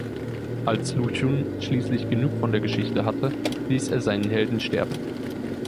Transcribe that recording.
Als Lu Xun schließlich genug von der Geschichte hatte, ließ er seinen Helden sterben.